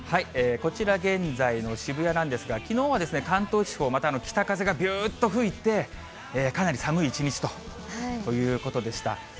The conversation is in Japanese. こちら、現在の渋谷なんですが、きのうは関東地方、また北風がびゅーっと吹いて、かなり寒い一日ということでした。